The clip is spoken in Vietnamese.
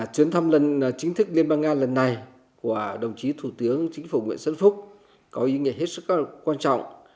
chuyến thăm chính thức liên bang nga lần này của đồng chí thủ tướng chính phủ nguyễn xuân phúc có ý nghĩa rất quan trọng